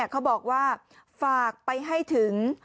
เขาบอกว่าฝากไปให้ถึง